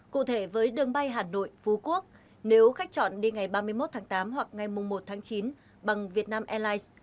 cụ thể với đường bay hà nội phú quốc nếu khách chọn đi ngày ba mươi một tháng tám hoặc ngày một tháng chín bằng vietnam airlines